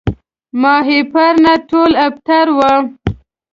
ماهیپر نه ټول ابتر وو